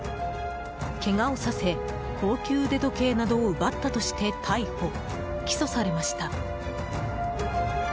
けがをさせ高級腕時計などを奪ったとして逮捕・起訴されました。